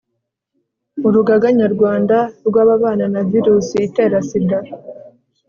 urugaga nyarwanda rw'ababana na virusi itera sida